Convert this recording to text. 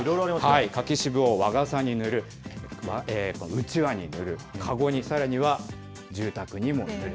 柿渋を和傘に塗る、うちわに塗る、かごに、さらには住宅にも塗る。